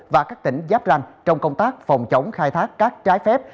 và các tỉnh giáp ranh trong công tác phòng chống khai thác cát trái phép